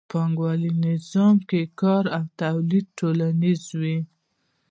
په پانګوالي نظام کې کار او تولید ټولنیز وي